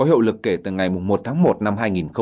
hiệu lực kể từ ngày một tháng một năm hai nghìn hai mươi